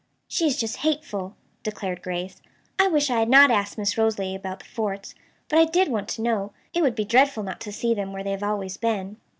"She is just hateful," declared Grace. "I wish I had not asked Miss Rosalie about the forts. But I did want to know. It would be dreadful not to see them where they have always been."